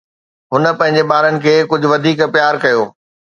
هن پنهنجي ٻارن کي ڪجهه وڌيڪ پيار ڪيو